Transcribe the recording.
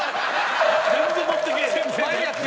全然乗ってけえへん。